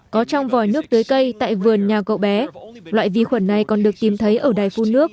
có trong vòi nước tưới cây tại vườn nhà cậu bé loại vi khuẩn này còn được tìm thấy ở đài phun nước